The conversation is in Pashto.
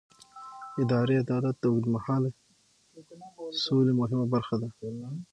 اداري عدالت د اوږدمهاله سولې مهمه برخه ده